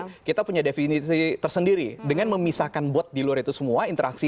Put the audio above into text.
karena kita punya definisi tersendiri dengan memisahkan bot di luar itu semua interaksi